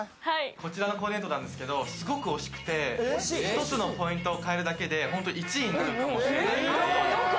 こちらのコーディネートなんですけどすごく惜しくて１つのポイントを変えるだけで１位になるかもしれないどこどこ？